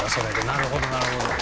なるほどなるほど。